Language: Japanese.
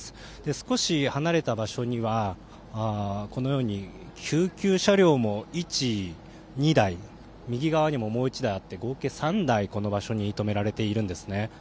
少し離れた場所にはこのように救急車両も２台右側にももう１台あって合計３台、この場所に止められているんですね。